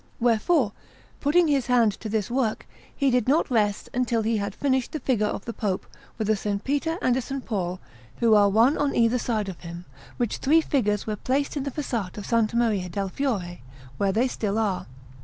Wherefore, putting his hand to this work, he did not rest until he had finished the figure of the Pope, with a S. Peter and a S. Paul who are one on either side of him; which three figures were placed in the façade of S. Maria del Fiore, where they still are.